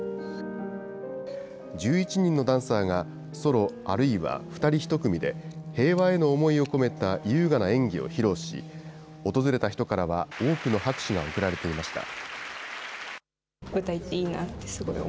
１１人のダンサーが、ソロ、あるいは２人１組で、平和への思いを込めた優雅な演技を披露し、訪れた人からは、多くの拍手が送られていました。